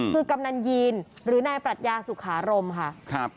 คือกำนันยีนหรือนายปรัชญาสุขารมค่ะ